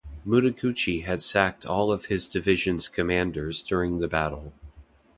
Mutaguchi had sacked all of his divisions' commanders during the battle.